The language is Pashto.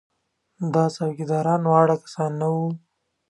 دا څوکیداران واړه کسان نه وو.